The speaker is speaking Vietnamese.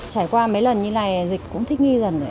trải qua mấy lần như này dịch cũng thích nghi dần